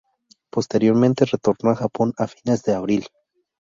Posteriormente retornó al Japón a fines de abril.